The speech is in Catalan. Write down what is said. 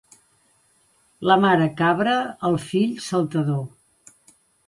La mare cabra, el fill saltador.